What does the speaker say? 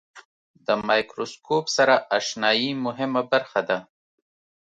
د مایکروسکوپ سره آشنایي مهمه برخه ده.